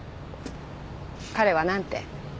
彼は何て？